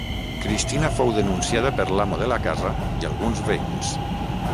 Cristina fou denunciada per l'amo de la casa i alguns veïns.